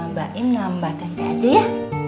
mbak im nambah telur aja ya